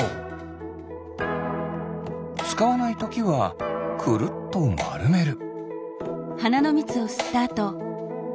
つかわないときはくるっとまるめる。